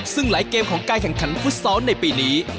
ซึ่งหลายเกมของการแข่งขันฟุตซอลในปีนี้